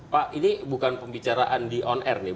pak ini bukan pembicaraan di on air nih